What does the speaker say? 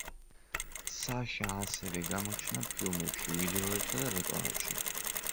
საშა ასევე გამოჩნდა ფილმებში, ვიდეოებსა და რეკლამებში.